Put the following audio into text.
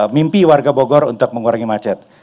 mimpi warga bogor untuk mengurangi macet